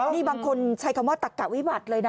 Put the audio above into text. นี่บางคนใช้คำว่าตักกะวิบัติเลยนะ